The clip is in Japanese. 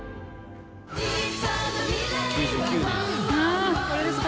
９９年か。